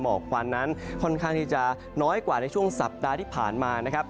วันนั้นค่อนข้างที่จะน้อยกว่าในช่วงสัปดาห์ที่ผ่านมานะครับ